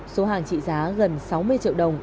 số hàng trị giá gần sáu mươi triệu đồng